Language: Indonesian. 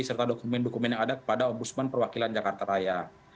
serta dokumen dokumen yang ada kepada ombudsman perwakilan jakarta raya